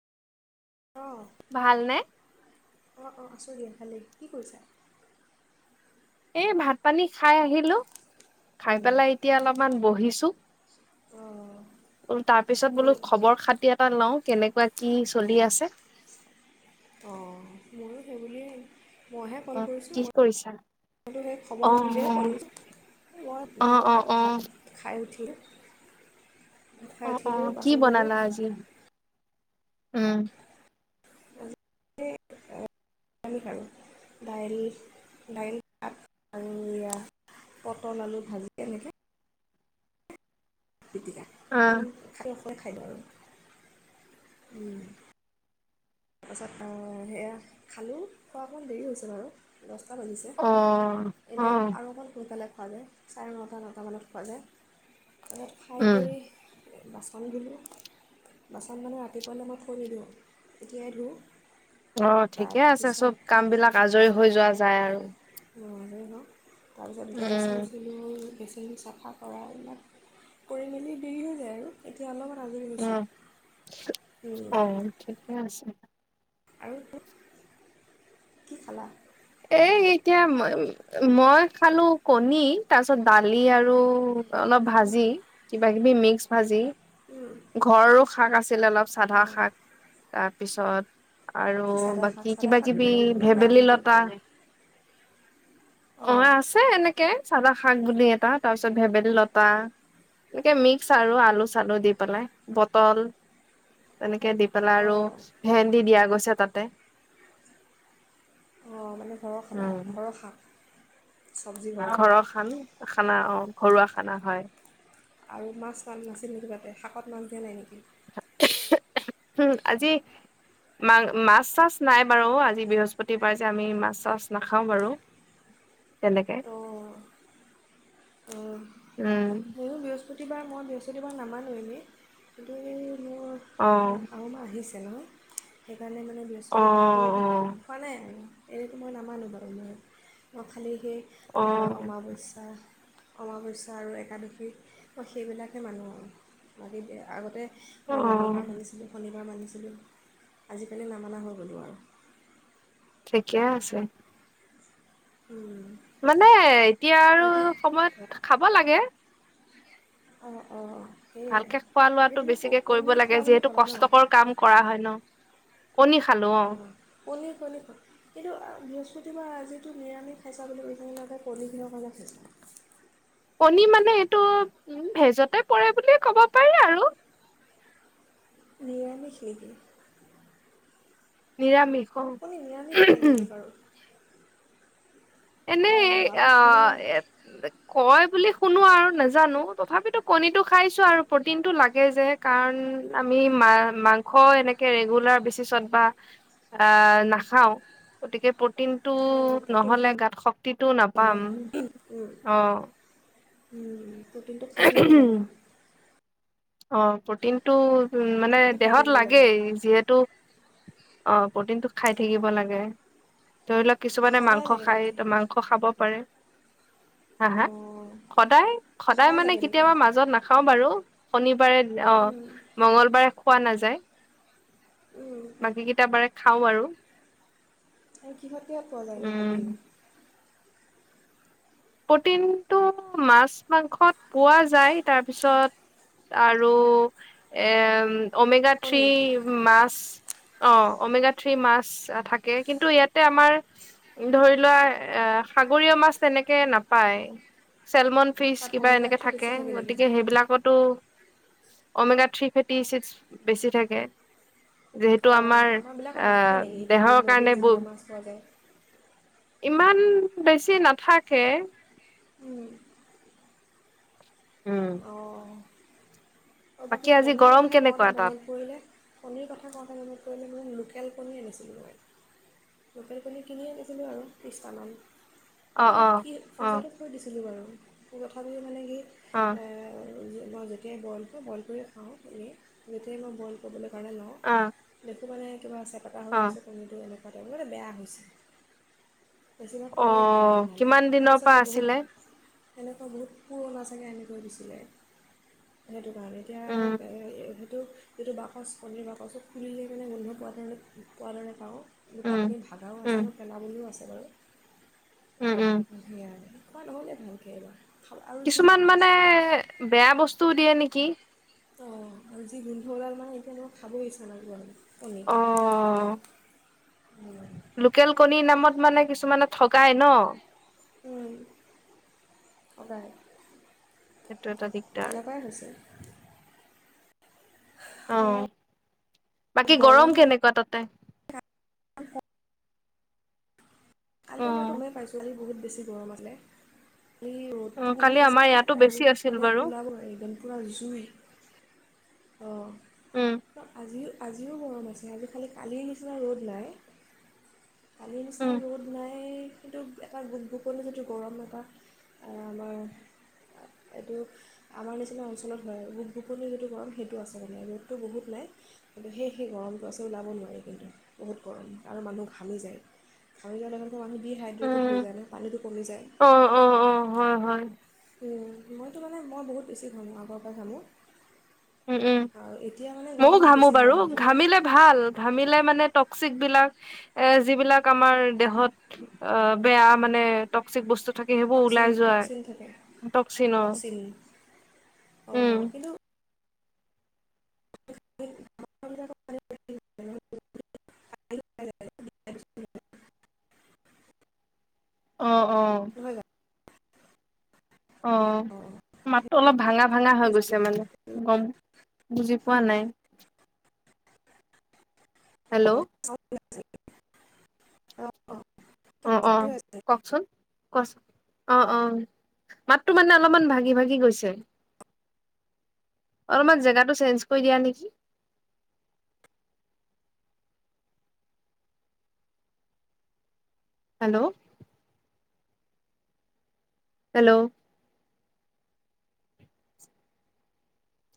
অ ভালনে? অ অ আছোঁ দিয় ভালেই কি কৰিছা এ ভাত পানী খাই আহিলো খাই উম, পেলাই এতিয়া অলপমান বহিছো অঁ বল তাৰ পিছত বোলো মোৰ খবৰ খাতি এটা লও কেনেকুৱা কি চলি আছে অঁ মোৰো সেইবুলিয়েই মইহে কল অ', কৰিছোঁ কি কৰিছা? মই সেই খবৰ অ', বুলিয়ে কলোছোঁ মই অ', অ', অ', ভাত অ', ভাত খাই উঠি [inaudible] অ অ কি বনালা আজি উম আমি খাৰো দাইল দাইলাত আৰু পটল আলু ভাজি এনেকৈ বিতিয়া আহ, ৈ খাই দিওঁ আৰু তাৰপাছত সেয়া খালোঁ খোৱা অকণমান দেৰি হৈছে বাৰু িছে অ', এনেই অ', আৰু অকণ সোনকালে খোৱা যায় চাৰে নটা নটামানত খোৱা যায় ঘৰত ফ্ৰাই উম, কৰি বাচন দিলোঁ বাচন মানে ৰাতিপুৱালৈ মই ফৰি দিওঁ এতিয়া আৰু অ ঠিকে আছে চব কাম বিলাক আজৰি হৈ যোৱা যায় আৰু অব তাৰপিছত গেছ উম, হৈছিলো বেছ চাফা কৰা এইবিলাক কৰি মেলি দেৰি হৈ যায় আৰু এতিয়া অলপ উম আহ ঠিকে আছে আৰু বহুত কি খালা এই এতিয়া মই মই খালো কণী তাৰ পিছত দালি আৰু অলপ ভাজি বাকীিবি মিক্স ভাজি অঁ ঘৰৰো শাক আছে আছিল অলপ চাধা শাক তাত তাৰ পিছত আৰু কি চাদা শাক বাকী চাদা কিবা শাক বুলি কিবি মই শুনা নাই ভেবেলী কিন্তু লগত হয় অ অঁ আছে এনেকে চাদা শাক বুলি এটা তাৰ পিছত ভেবেলী লতা এনেকে মিক্স আৰু আলু চালু দি পেলাই বটল তেনেকে ে দি পেলাই আৰু অঁ হেন্দি দিয়া গৈছে প ততে অঁ মানে ঘৰৰ খাই ঘৰৰ শাক ঘৰৰ খান খানা অ ঘৰুৱা খানা হয় আৰু মাছ নাছিল নেকি তাতে শাকত মাছ দিয়া নাই নেকি আজি মা মাছ চাছ নাই বাৰু আজি বৃহস্পতিবাৰে যে আমি মাছ চাছ নাখাও বাৰু তেনেকে অঁ অঁ উম ময়ো বৃহস্পতিবাৰ মই বৃহস্পতিবাৰ নামানো এনেই কিন্তু এই আহ যেনেই সেইকাৰণে মানে বৃহস্পতিবাৰটো খোৱা নাই আৰু এনেকৈ মই নামানো বাৰু মই মই খালি সেই অ অমাৱস্যা আমাবস্যা আৰু একাদশী মই সেইবিলাকে মানো আৰু বাকী আগতে অ অ মই মঙলবাৰ মানিছিলো শনিবাৰ মানিছিলো আজিকালি নমনা হৈ গ'ল আৰু ঠিকে আছে মানে এতিয়া আৰু বাকী সময়ত খাব লাগে অ অ অ ভালকে খোৱা লোৱাটো বেছিকে কৰিব খোৱা লাগে বুলি যিহেতু ক'লা ন কষ্টকৰ কাম কৰা হয় ন! কণী খালো অ পনীৰ কণী এইটো বৃহ পতিবা আজিটো নিৰামি খাইছা বুলি কৈ থাক লাগে কণীখন কাৰণে খাইছা কণী মানে এইটো উ ভেজতে পৰে বুলিয়ে ক'ব পাৰি আৰু নিৰামিষ নেকি? নিৰামিষ আপুনি নিৰামিষ হয় অ নেকি বাৰু? এনেই অঁ অ আমি কিমান কয় বুলি শুনো আৰু নাজানো তথাপিতো কণীটো খাইছো আৰু প্ৰটিনটো লাগে যে কাৰণ আমি মাংস এনেকে ৰেগুলাৰ বেচিছত বা নাখাওঁ গতিকে প্ৰটিনটো অঁ প্ৰ'টিন নহলে খোৱা গাত শক্তিটো নাপাম নহয় উম, অ উম প্ৰটিনটো খাই থাকিব লাগে ন! অ প্ৰটিনটো উম মানে প্ৰ'টিন খাই দেহত থাকিব লাগে লাগেই যিহেতু অ প্ৰটিনটো খাই থাকিব লাগে ধৰি লওক কিছুমানে সদায় মাংস লাগে খায় নেকি ত মাংস খাব পাৰে হা হা অঁ সদায় সদায় মানে লাগে নেকি কেতিয়াবা মাজত নাখাও বাৰু শনি বাৰে অ উম, মংগলবাৰে পোৱা নাযায় উম। বাকী কেইটা বাৰে খাওঁ বাৰু আৰু কিহত কিহত পোৱা যায়নো প্ৰটিন প্ৰটিনটো মাছ মাংসত পোৱা যায় তাৰপিছত আৰু এ অ'মেগা থ্ৰী কণী মাছ অ' অ'মেগা থ্ৰী মাছ থাকে কিন্তু ইয়াতে আমাৰ ধৰি লোৱা কে নাপায় ছেলমন ফিছ তাত কিবা অমেগা এনেকে থ্ৰী থাকে বেছি নেকি গতিকে সেইবিলাকতো অ'মেগা থ্ৰী ফিফটি ছিক্স বেছি থাকে। যিহেতু অঁ আমাৰ আমাৰবিলাকত অ নাথাকে নেকি দেহৰ নদীৰ নদীৰ কাৰণে ব যিবিলাক মাছ পোৱা যায় ইমান বেছি নাথাক কে উম অ' আৰু বাকী আজি কণীৰ গৰম কথা কওঁতে কেনেকুৱা তাত মনত পৰিলে কণীৰ কথা কওঁতে মনত [unintelligible] মই লোকেল কণী আনিছিলোঁ। লোকেল কণী কিনি আনিছিলোঁ আৰু ত্ৰিছটামান। অ কিন্তু অ কি অ ফ্ৰিজতে থৈ দিছিলো বাৰু। সেই কথাবোৰ মানে কি অ' মই যেতিয়াই বইল মই বইল কৰি খাওঁ এনে যেতিয়াই মই বইল ক [unintelligible] [unintelligible] ‌ লওঁ [unintelligible] অ এইটো মানে কিবা আছে। পতা হৈ অ আছে কণীটো এনে তে [unintelligible] বেয়া হৈছে। বেছিভাগ অ কণী বেয়া ওলালে কিমান দিনৰ তাৰপিছতে পৰা বহুত আছিলে সেনেকুৱা বহুত পুৰণা চাগে এনেকৈ দিছিলে। এইটো তেনেকে আৰু উম এ এইটো যিটো বাকচ কণীৰ বাকচটো খুলিলেই মানে গোন্ধ পোৱা ধৰণে পোৱা ধৰণে পাওঁ। দুটা উম কণী ভাঙাও আছে উম ন পেলাবলৈও আছে। উম উম [unintelligible] [unintelligible] খোৱা নহ'লে ভালকে এইবাৰ। খাব আৰু যি কিছুমান মানে বেয়া বস্তুও দিয়ে নেকি। অ' আৰু যি গোন্ধ ওলাল মানে এতিয়া মোৰ খাবই ইচ্ছা নাই [unintelligible] কণী অ উম লোকেল কণীৰ নামত মানে কিছুমানে ঠগাই ন। উম অকাই টো এটা দিগদাৰ অ অঁ বাকী গৰম কেনেকুৱা তাতে অ কাইি অ মই তমেই পাইছোঁ আহি বহুত বেছি মৰমালে এই অ ৰ'দটো বহুত কালি আছে আমাৰ ইয়াতো আৰু বেছি আছিল মানে বাৰু ওলাব এইদান পুৰা জুই অঁ উম আজিও আজিও গৰম আছে আজি খালি কালিৰ নিচিনা ৰ'দ নাই কালি নিছিলনা উম ল'ত নাই সেইটো এটা গোপগোপনিিৰ যিটো গৰম এটা আমাৰ এইটো আমাৰ নিচিনা অঞ্চলত হয় গোপগোপনিিৰ যিটো গৰম সেইটো আছে মানে ৰ'দটো বহুত নাই কিন্তু সেই সেই গৰমটো আছে ওলাব নোৱাৰি কিন্তু বহুত গৰম আৰু মানুহ ভালি যায় আৰু আি দি হাইড্ৰেকেড হৈ উম যায় ন পানীটো কমি যায় অ অ অ হয় হয় মইতো মানে মই বহুত বেছি খামো আগৰ পৰা খামো উম উম মইও ঘামো বেছি ঘামা বাৰু হৈছোঁ তাৰ ঘামিলে ভাল ঘামিলে মানে ট টক্িক বিলাক এ যিবিলাক আমাৰ দেহত বেয়া মানে টক্চিক বস্তু থাকে সেইবোৰ টক্সিন ওলাই যোৱায় টক্সিন থাকে টক্চনৰ টক্সিন উম অঁ কিন্তু [unintelligible] অ অ জানো? অ মাতটো অলপ ভাঙা ভাঙা হৈ গৈছে মানে গম বুজি পোৱা নাই হেল্ল' অ অ অ অ কওকচোন কচ অ অ মাতটোো মানে অলপমান ভাগি ভাগি গৈছে অলপমান জেগাটো চেঞ্জ কৰি দিয়া নেকি হেল্ল' হেল্ল'